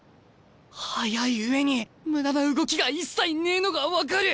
早い上に無駄な動きが一切ねえのが分かる！